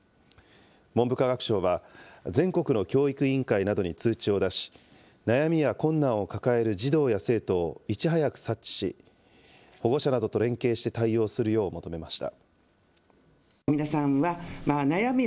文部科学省は、全国の教育委員会などに通知を出し、悩みや困難を抱える児童や生徒をいち早く察知し、保護者などと連携して対応するよう求めました。